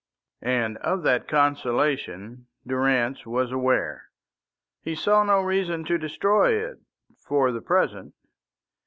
And of that consolation Durrance was aware. He saw no reason to destroy it for the present.